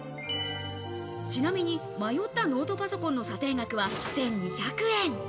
ちなみに迷ったノートパソコンの査定額は１２００円。